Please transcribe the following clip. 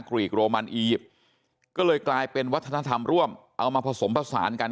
กรีกโรมันอียิปต์ก็เลยกลายเป็นวัฒนธรรมร่วมเอามาผสมผสานกัน